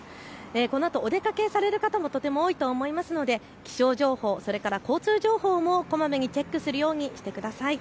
このあとお出かけされる方もとても多いと思いますので気象情報、それから交通情報もこまめにチェックするようにしてください。